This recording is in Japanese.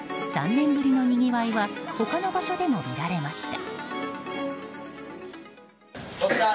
３年ぶりのにぎわいは他の場所でも見られました。